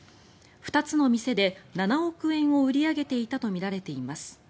２つの店で７億円を売り上げていたとみられています。